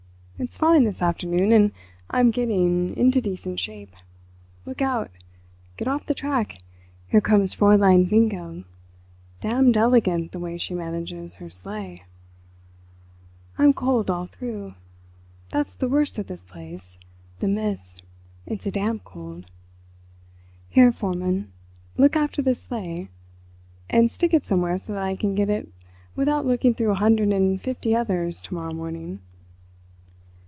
It's fine this afternoon, and I'm getting into decent shape. Look out, get off the track; here comes Fräulein Winkel. Damned elegant the way she manages her sleigh!" "I'm cold all through. That's the worst of this place—the mists—it's a damp cold. Here, Forman, look after this sleigh—and stick it somewhere so that I can get it without looking through a hundred and fifty others to morrow morning."